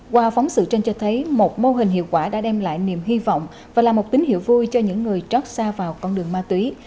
qua phóng sự trên cho thấy một mô hình hiệu quả đã đem lại niềm hy vọng và là một tín hiệu vui cho những người trót xa vào con đường ma túy